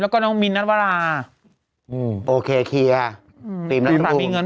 แล้วก็น้องมินนัสวราอือโอเคเกียร์อือตายบีเงิน